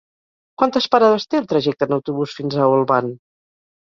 Quantes parades té el trajecte en autobús fins a Olvan?